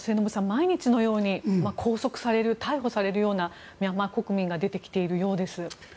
毎日のように拘束される逮捕されるミャンマー国民が出てきているようです。